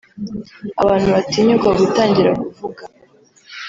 abantu batinyuka gutangira kuvuga